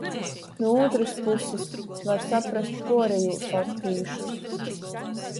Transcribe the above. Nu ūtrys pusis – var saprast puorejūs latvīšus.